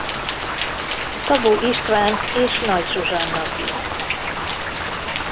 Szabó István és Nagy Zsuzsanna fia.